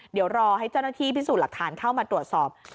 เดี๋ยวรอให้เจ้าหน้าที่พิสูจน์หลักฐานเข้ามาตรวจสอบ